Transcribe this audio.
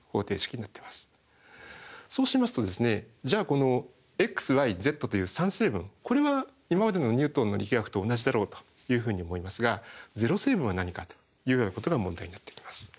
そうしますとじゃあこのｘｙｚという３成分これは今までのニュートンの力学と同じだろうというふうに思いますが０成分は何かというようなことが問題になってきます。